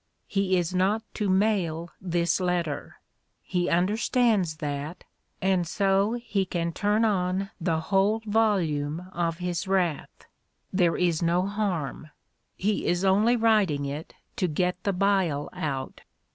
... He is not to mail this letter; he under stands that, and so he can turn on the whole volume of his wrath; there is no harm. He is only writing it to get the bile out.